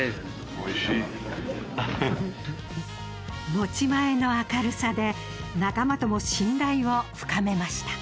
持ち前の明るさで仲間とも信頼を深めました。